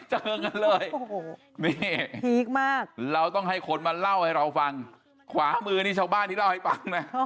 ตรงนี้เราต้องหาคนมาเล่าให้เราฟังขวามือชาวบ้านที่เราให้บ้างนะ